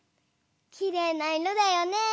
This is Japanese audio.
きれいないろだよね。